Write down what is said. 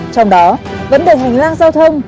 trong đó vấn đề hành lang giao thông